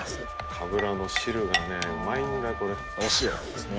かぶらの汁がねうまいんだこれお塩ですね